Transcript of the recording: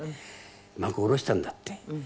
幕下ろしたんだって。